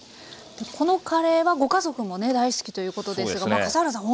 このカレーはご家族もね大好きということですが笠原さん